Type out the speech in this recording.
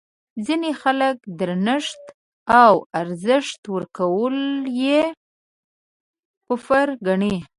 ځینې خلک درنښت او ارزښت ورکول یې کفر ګڼي.